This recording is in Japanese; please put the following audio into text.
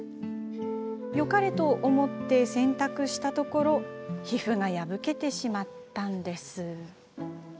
よかれと思って洗濯したところ皮膚が破けてしまったんです。